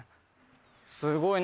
すごい。